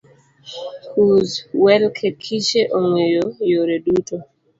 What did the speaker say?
Kuz Welkekishe ong'eyo yore du